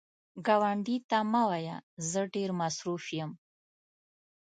ګاونډي ته مه وایه “زه ډېر مصروف یم”